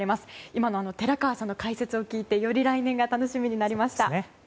今の寺川さんの解説を聞いてより来年が楽しみになりました。